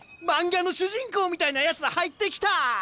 漫画の主人公みたいなやつ入ってきた！